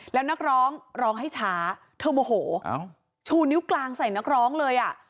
แล้วนักร้องร้องให้ช้าเธอโมโหชูนิ้วกลางใส่นักร้องเลยอ่ะ